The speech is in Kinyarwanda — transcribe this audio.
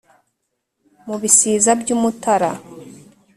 mu bisiza by’umutara